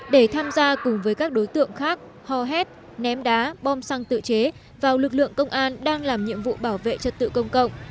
để tham gia cùng với các đối tượng khác hò hét ném đá bom xăng tự chế vào lực lượng công an đang làm nhiệm vụ bảo vệ trật tự công cộng